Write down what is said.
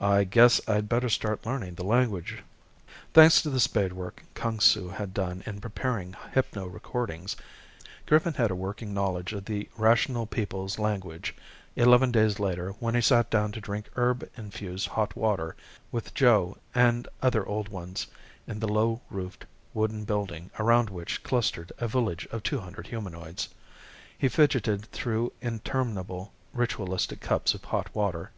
"I guess I'd better start learning the language." Thanks to the spade work Kung Su had done in preparing hypno recordings, Griffin had a working knowledge of the Rational People's language eleven days later when he sat down to drink herb infused hot water with Joe and other Old Ones in the low roofed wooden building around which clustered a village of two hundred humanoids. He fidgeted through interminable ritualistic cups of hot water.